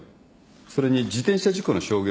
それに自転車事故の証言もあります。